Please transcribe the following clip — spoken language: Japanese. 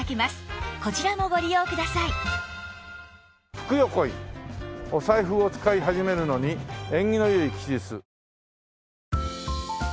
「福よ来いお財布を使い始めるのに縁起の良い吉日」